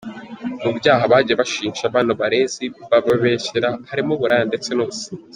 Mu byaha bagiye bashinja bano barezi bababeshyera harimo uburaya ndetse n’ubusinzi.